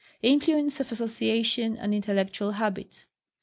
Influence of Association on intellectual Habits.